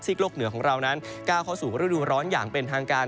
โลกเหนือของเรานั้นก้าวเข้าสู่ฤดูร้อนอย่างเป็นทางการ